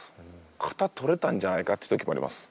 肩とれたんじゃないかって時もあります。